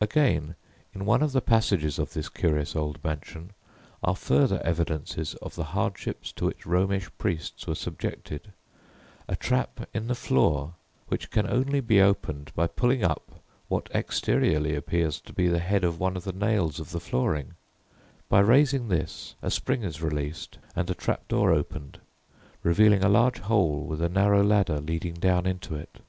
Again, in one of the passages of this curious old mansion are further evidences of the hardships to which Romish priests were subjected a trap in the floor, which can only be opened by pulling up what exteriorly appears to be the head of one of the nails of the flooring; by raising this a spring is released and a trap door opened, revealing a large hole with a narrow ladder leading down into it.